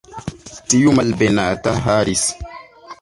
Tiu malbenata Harris!